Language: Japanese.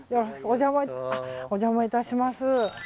お邪魔致します。